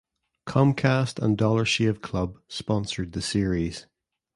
Comcast and Dollar Shave Club sponsored the series.